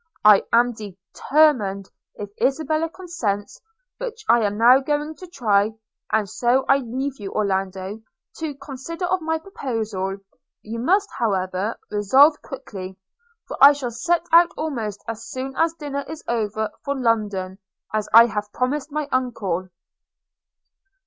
– I am determined, if Isabella consents, which I am now going to try; and so I leave you, Orlando, to consider of my proposal: you must, however, resolve quickly; for I shall set out almost as soon as dinner is over for London, as I have promised my uncle.'